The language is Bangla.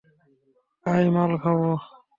আই, মাল খাবো।